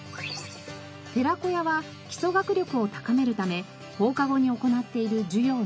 寺子屋は基礎学力を高めるため放課後に行っている授業の事。